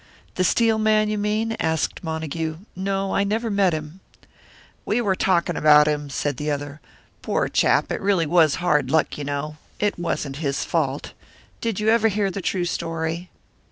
"The Steel man, you mean?" asked Montague. "No, I never met him." "We were talking about him," said the other. "Poor chap it really was hard luck, you know. It wasn't his fault. Did you ever hear the true story?"